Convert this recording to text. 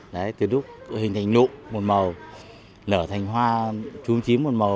đấy từ lúc hình thành nụ một màu lở thành hoa trúng chín một màu